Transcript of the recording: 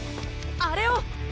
あれを！